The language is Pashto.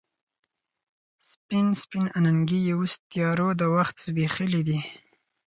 سپین، سپین اننګي یې اوس تیارو د وخت زبیښلې دي